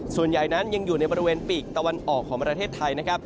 ส่วนใหญ่นั้นยังอยู่ในบริเวณปีกตะวันออกของประเทศไทยนะครับ